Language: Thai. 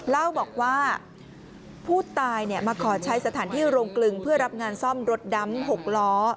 เล่าบอกว่าผู้ตายมาขอใช้สถานที่โรงกลึงเพื่อรับงานซ่อมรถดำ๖ล้อ